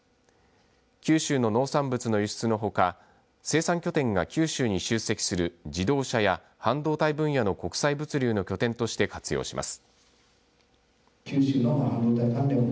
九州の農産物の輸出のほか生産拠点が九州に集積する自動車や半導体分野の国際物流の拠点として活用します。